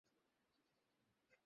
এইজন্যই আমার শরীরের গন্ধ এতো সুন্দর।